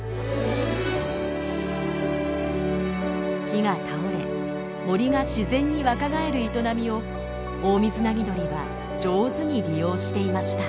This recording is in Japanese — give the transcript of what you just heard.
木が倒れ森が自然に若返る営みをオオミズナギドリは上手に利用していました。